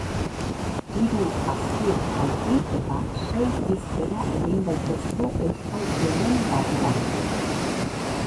Hiru azpieuskalki eta sei hizkera egin daitezke euskalki honen barruan.